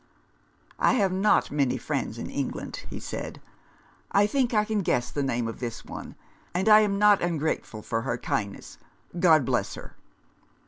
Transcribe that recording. " I have not many friends in England," he said. " I think I can guess the name of this one ; and I am not ungrateful for her kindness, God bless her